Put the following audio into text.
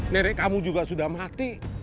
nenek kamu juga sudah mati